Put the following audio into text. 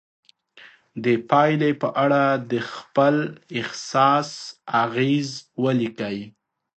د پایلې په اړه د خپل احساس اغیز ولیکئ.